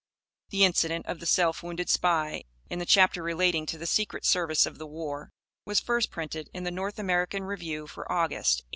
The incident of the self wounded spy, in the chapter relating to the secret service of the war, was first printed in the North American Review for August, 1891.